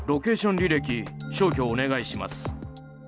履歴消去お願いします。